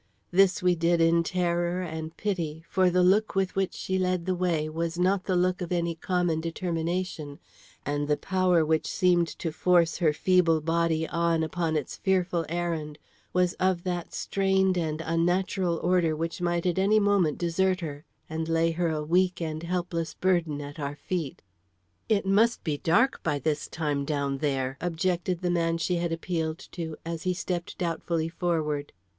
This we did in terror and pity, for the look with which she led the way was not the look of any common determination, and the power which seemed to force her feeble body on upon its fearful errand was of that strained and unnatural order which might at any moment desert her, and lay her a weak and helpless burden at our feet. "It must be dark by this time down there," objected the man she had appealed to, as he stepped doubtfully forward.